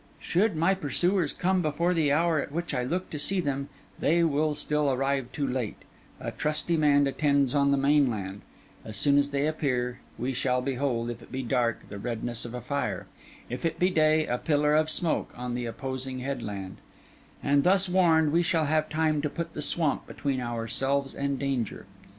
Should my pursuers come before the hour at which I look to see them, they will still arrive too late; a trusty man attends on the mainland; as soon as they appear, we shall behold, if it be dark, the redness of a fire, if it be day, a pillar of smoke, on the opposing headland; and thus warned, we shall have time to put the swamp between ourselves and danger.